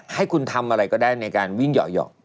ให้คุณทำอะไรก็ได้ในการวิ่งเหยาะ